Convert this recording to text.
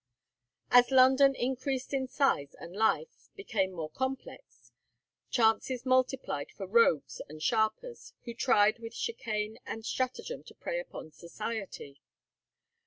As London, increased in size and life, became more complex, chances multiplied for rogues and sharpers, who tried with chicane and stratagem to prey upon society.